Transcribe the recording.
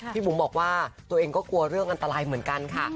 บุ๋มบอกว่าตัวเองก็กลัวเรื่องอันตรายเหมือนกันค่ะ